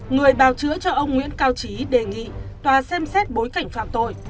người bào chữa cho ông nguyễn cao trí đề nghị tòa xem xét bối cảnh phạm tội